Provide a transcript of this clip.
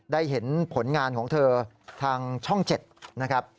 ได้เห็นผลงานของเธอทางช่อง๗นะครับ